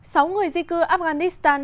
sáu người di cư afghanistan